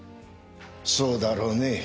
そうだろうねぇ。